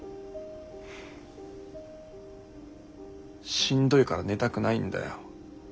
しんどいから寝たくないんだよ。